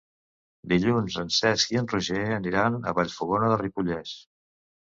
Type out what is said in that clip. Dilluns en Cesc i en Roger aniran a Vallfogona de Ripollès.